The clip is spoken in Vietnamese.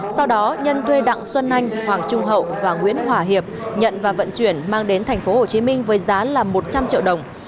sau đó nhân thuê đặng xuân anh hoàng trung hậu và nguyễn hòa hiệp nhận và vận chuyển mang đến tp hcm với giá là một trăm linh triệu đồng